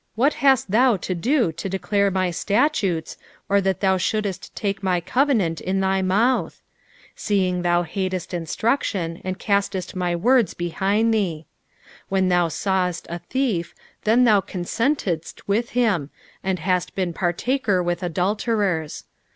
What hast thou to do to declare my statutes, or i/tat thou shouldest take my covenant in thy mouth ? 17 Seeing thou hatest instruction, and castest my words behind thee. 18 When thou sawest a thief, then thou consentedst with him, and hast been partaker with adulterers.